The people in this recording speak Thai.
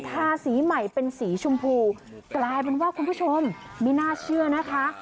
ทาสีใหม่เป็นสีชมพูกลายเป็นว่าคุณผู้ชมไม่น่าเชื่อนะคะ